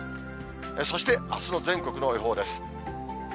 そしてあすの全国の予報です。